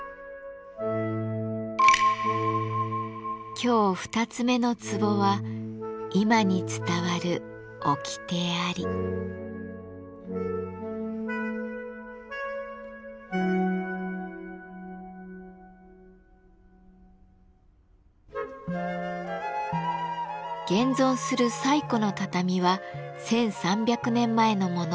今日二つ目のツボは現存する最古の畳は１，３００年前のもの。